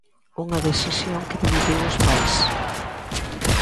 Unha decisión que dividiu os pais.